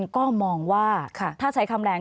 ขอบคุณครับ